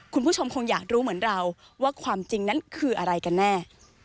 คุณผู้ชมคงอยากรู้เหมือนเราว่าความจริงนั้นคืออะไรกันแน่